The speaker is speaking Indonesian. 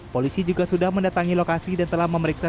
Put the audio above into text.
polisi juga sudah mendatangi lokasi dan telah memeriksa